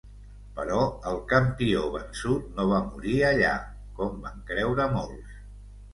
Però el campió vençut no va morir allà, com van creure molts.